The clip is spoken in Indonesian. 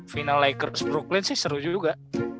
final lakers brooklyn sih seru juga